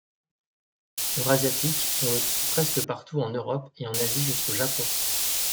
Eurasiatique, on le trouve presque partout en Europe et en Asie jusqu'au Japon.